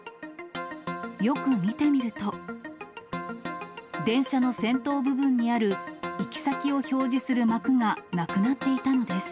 よく見てみると、電車の先頭部分にある、行き先を表示する幕がなくなっていたのです。